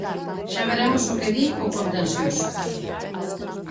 Xa veremos o que di o Contencioso.